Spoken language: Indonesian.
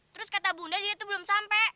terus kata bunda dia tuh belum sampai